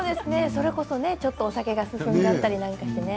それこそお酒が進んじゃったりしてね。